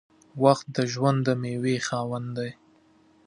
• وخت د ژوند د میوې خاوند دی.